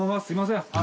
すみません。